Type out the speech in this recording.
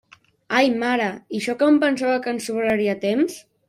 Ai mare, i jo que em pensava que ens sobraria temps.